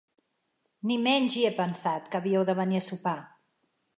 Ni menys hi he pensat, que havíeu de venir a sopar!